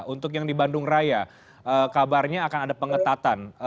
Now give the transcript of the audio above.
untuk yang di bandung raya kabarnya akan ada pengetatan